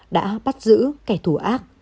đã bắt giữ kẻ thù ác